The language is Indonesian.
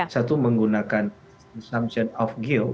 satu menggunakan presumption of guilt